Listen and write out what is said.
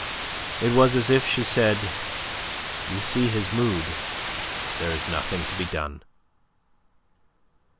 It was as if she said: "You see his mood. There is nothing to be done."